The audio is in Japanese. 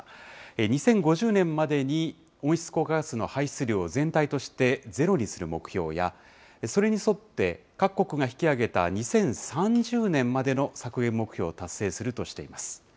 ２０５０年までに、温室効果ガスの排出量を全体としてゼロにする目標や、それに沿って各国が引き上げた、２０３０年までの削減目標を達成するとしています。